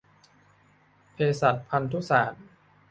เภสัชพันธุศาสตร์